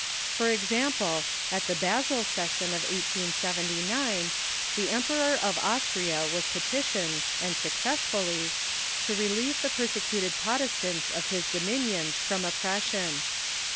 For example, at the Basle ses sion of 1879 the Emperor of Austria was petitioned, and suc cessfully, to relieve the persecuted Protestants of his domin ions from oppression.